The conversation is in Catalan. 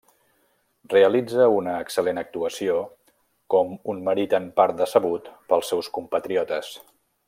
Realitza una excel·lent actuació com un marit en part decebut pels seus compatriotes.